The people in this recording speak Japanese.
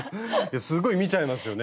すごい見ちゃいますよね。